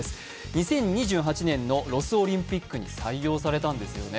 ２０２８年のロスオリンピックに採用されたんですよね。